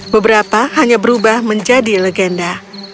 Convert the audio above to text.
beberapa hanya berubah menjadi legenda